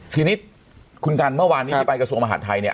ทีนี้คุณกันเมื่อวานนี้ที่ไปกระทรวงมหาดไทยเนี่ย